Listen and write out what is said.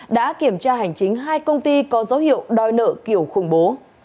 đã kiểm tra hành chính hai công ty có dấu hiệu đòi nợ kiểu khủng bố